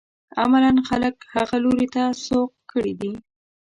عملاً خلک هغه لوري ته سوق کړي دي.